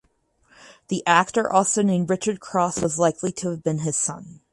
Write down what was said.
The actor also named Richard Cross was likely to have been his son.